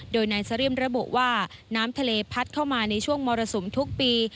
โดยนายซาเรียมระบุว่าน้ำทะเลพัดเข้ามาในช่วงมรสุมทุกปี